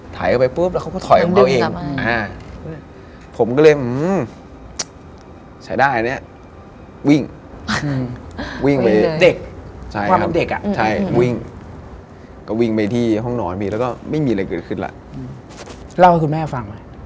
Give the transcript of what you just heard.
ถ่ายเข้าไปปุ๊บแล้วเขาก็ถอยเข้าเอง